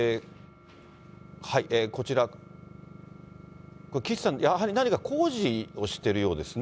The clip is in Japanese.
こちら、これ、岸さん、これ何か工事をしているようですね。